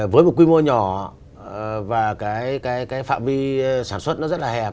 với một quy mô nhỏ và cái phạm vi sản xuất nó rất là hẹp